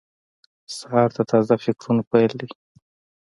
سهار د تازه فکرونو پیل دی.